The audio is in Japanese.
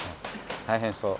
大変そう。